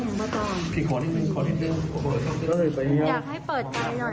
คือเขาทำให้เรารู้สึกว่าเขาอยากเกี่ยวกับเราใช่ไหมพี่